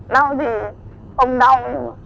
đau gì không đau